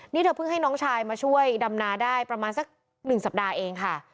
นี่เธอเพิ่งให้น้องชายมาช่วยดำนาได้ประมาณสัก๑สัปดาห์เองค่ะ